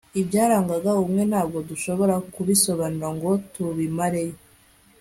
ibyarangaga ubumwe ntabwo dushobora kubisobanura ngo tubimare yo